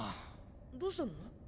どうしたの？